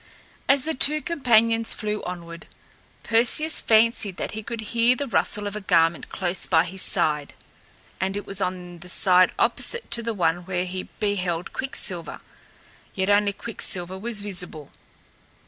As the two companions flew onward, Perseus fancied that he could hear the rustle of a garment close by his side; and it was on the side opposite to the one where he beheld Quicksilver, yet only Quicksilver was visible.